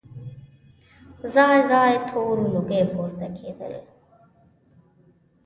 ځای ځای تور لوګي پورته کېدل.